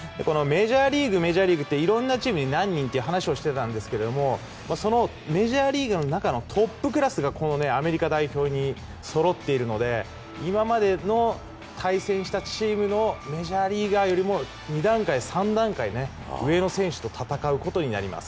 メジャーリーグっていろんなチームに何人って話をしていたんですがそのメジャーリーグの中のトップクラスがアメリカ代表にはそろっているので今までの対戦したチームのメジャーリーガーよりも２段階、３段階上の選手と戦うことになります。